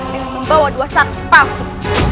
dengan membawa dua sars palsu